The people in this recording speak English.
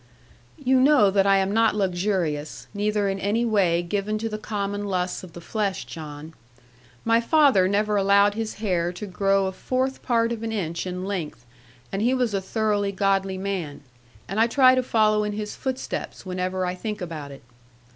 'You know that I am not luxurious, neither in any way given to the common lusts of the flesh, John. My father never allowed his hair to grow a fourth part of an inch in length, and he was a thoroughly godly man; and I try to follow in his footsteps, whenever I think about it.